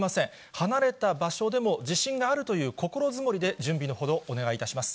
離れた場所でも地震があるという心づもりで、準備のほど、お願いいたします。